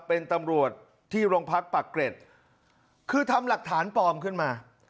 เป็นตำรวจที่โรงพักปากเกร็ดคือทำหลักฐานปลอมขึ้นมา